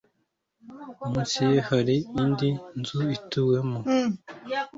Munsi ye hari indi nzu ituwemo